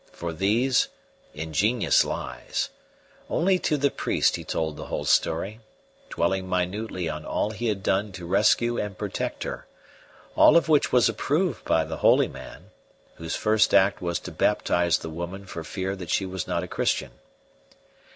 For these, ingenious lies; only to the priest he told the whole story, dwelling minutely on all he had done to rescue and protect her; all of which was approved by the holy man, whose first act was to baptize the woman for fear that she was not a Christian.